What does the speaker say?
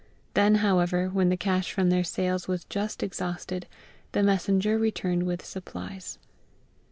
Then, however, when the cash from their sales was just exhausted, the messenger returned with supplies.